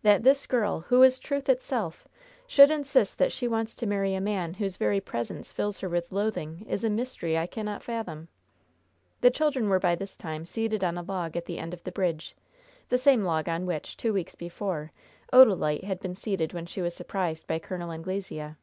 That this girl, who is truth itself, should insist that she wants to marry a man whose very presence fills her with loathing, is a mystery I cannot fathom!" The children were by this time seated on a log at the end of the bridge the same log on which, two weeks before, Odalite had been seated when she was surprised by Col. Anglesea.